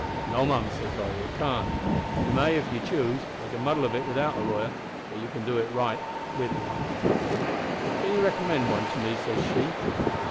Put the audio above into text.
"`No, mum,' says I, `it can't. You may, if you choose, make a muddle of it without a lawyer, but you can't do it right without one.' "`Can you recommend one to me?' says she.